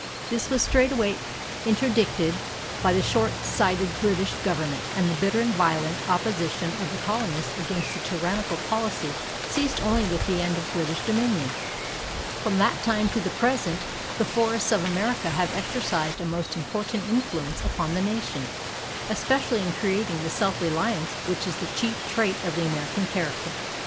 This was straightway interdicted by the short sighted British government, and the bitter and violent opposition of the colonists against this tyrannical policy ceased only with the end of British dominion. From that time to the present the forests of America have exercised a most important influence upon the nation, especially in creating the self reliance which is the chief trait of the American character.